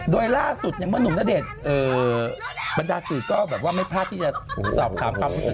โดยล่าสุดเนี่ยเมื่อนุ่มณเดชน์บรรดาสื่อก็แบบว่าไม่พลาดที่จะสอบถามความรู้สึก